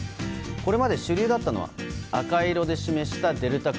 これまで主流だったのは赤色で示したデルタ株。